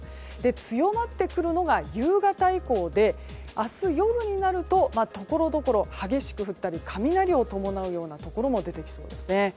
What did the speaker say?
強まってくるのが夕方以降で明日の夜になるとところどころで激しく降ったり雷を伴うところも出てきそうですね。